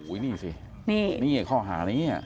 นี่สินี่ข้อหานี้